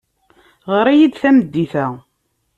Ɣer-iyi-d tameddit-a.